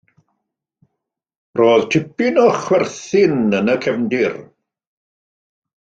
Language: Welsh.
Roedd tipyn o chwerthin yn y cefndir.